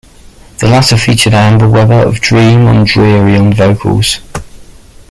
The latter featured Amber Webber of Dream on Dreary on vocals.